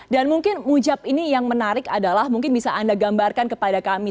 dan mungkin mujab ini yang menarik adalah mungkin bisa anda gambarkan kepada kami